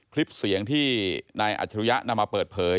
คลิปเสียงที่นายอัจฉริยะนำมาเปิดเผย